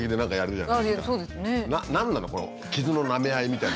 何なの？